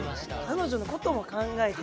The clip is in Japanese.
彼女の事も考えて。